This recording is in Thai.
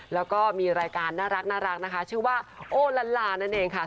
แล้วก็มีรายการน่ารักนะคะชื่อว่าโอลันลานั่นเองค่ะ